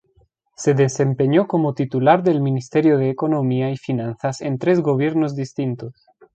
Se desempeñó como titular del Ministerio de Economía y Finanzas en tres gobiernos distintos.